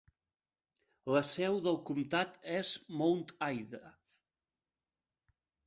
La seu del comtat és Mount Ida.